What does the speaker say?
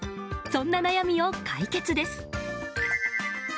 そんな悩みを解決です。